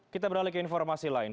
kita beralih ke informasi lain